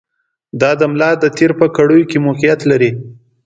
دا د ملا د تېر په کړیو کې موقعیت لري.